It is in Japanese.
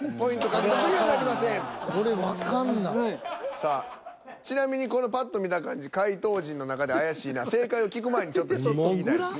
さあちなみにこのぱっと見た感じ解答陣の中で怪しいな正解を聞く前にちょっと聞きたいですね。